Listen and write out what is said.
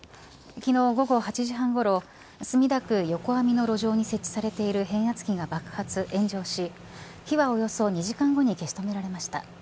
昨日午後８時半ごろ墨田区横網の路上に設置されている変圧器が爆発し炎上し火は、およそ２時間後に消し止められました。